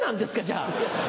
じゃあ。